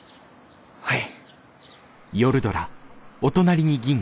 はい。